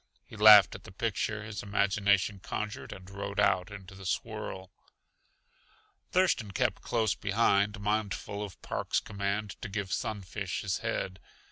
He laughed at the picture his imagination conjured, and rode out into the swirl. Thurston kept close behind, mindful of Park's command to give Sunfish his head.